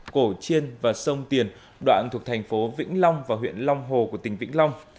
cổ chiên và sông tiền đoạn thuộc thành phố vĩnh long và huyện long hồ của tỉnh vĩnh long